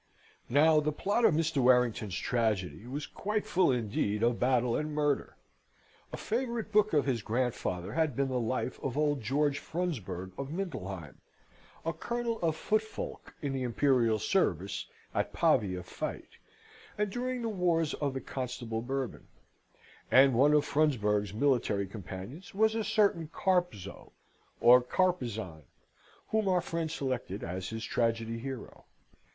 Now the plot of Mr. Warrington's tragedy was quite full indeed of battle and murder. A favourite book of his grandfather had been the life of old George Frundsberg of Mindelheim, a colonel of foot folk in the Imperial service at Pavia fight, and during the wars of the Constable Bourbon: and one of Frundsberg's military companions was a certain Carpzow, or Carpezan, whom our friend selected as his tragedy hero.